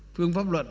phương pháp luận